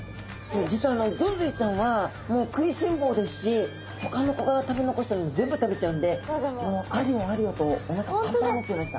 実はギョンズイちゃんは食いしん坊ですしほかの子が食べ残したもの全部食べちゃうんでもうあれよあれよとおなかパンパンになっちゃいました。